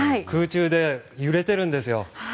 空中で揺れてるんですよ。